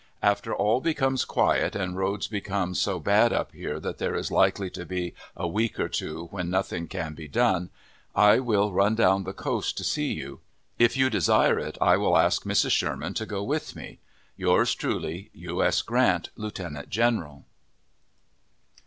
After all becomes quiet, and roads become so bad up here that there is likely to be a week or two when nothing can be done, I will run down the coast to see you. If you desire it, I will ask Mrs. Sherman to go with me. Yours truly, U. S. GRANT, Lieutenant General.